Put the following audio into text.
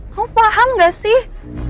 kamu paham gak sih